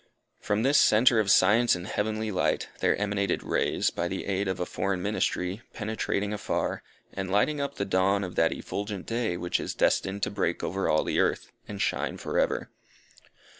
From this centre of science and heavenly light, there emanated rays, by the aid of a foreign ministry, penetrating afar, and lighting up the dawn of that effulgent day which is destined to break over all the earth, and shine for ever.